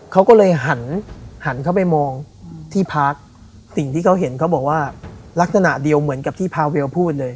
เขาก็เลยหันหันเข้าไปมองที่พักสิ่งที่เขาเห็นเขาบอกว่าลักษณะเดียวเหมือนกับที่พาเวลพูดเลย